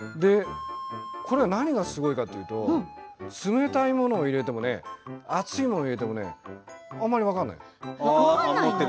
これは何がすごいかというと冷たいものを入れても熱いものを入れても分からない。